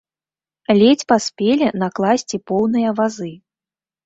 Ледзь паспелі накласці поўныя вазы.